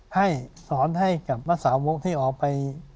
ให้สอนให้กับนักสาวกที่ออกไป